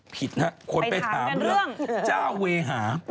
ผิดฮะคนไปถามเรื่องเจ้าเวหา